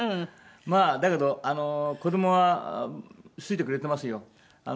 まあだけど子どもは好いてくれてますよ。